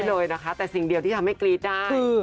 เลยนะคะแต่สิ่งเดียวที่ทำให้กรี๊ดได้